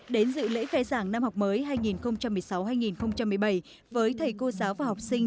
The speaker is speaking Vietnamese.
đến dự lễ khai giảng năm học mới hai nghìn một mươi sáu hai nghìn một mươi bảy với thầy cô giáo và học sinh